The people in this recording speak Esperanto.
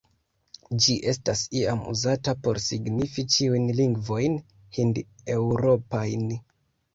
Ĝi estas iam uzata por signifi ĉiujn lingvojn hind-eŭropajn.